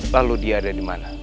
lalu dia ada dimana